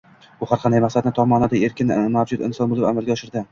U har qanday maqsadini tom ma’noda erkin, mavjud inson bo‘lib amalga oshirdi